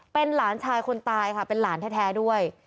เป็นหลานชายคนตายค่ะเป็นหลานแท้ด้วย